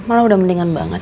malah udah mendingan banget